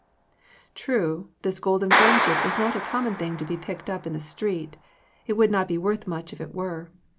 True, this golden friendship is not a common thing to be picked up in the street. It would not be worth much if it were.